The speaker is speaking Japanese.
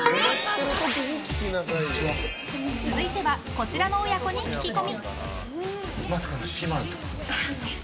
続いてはこちらの親子に聞き込み。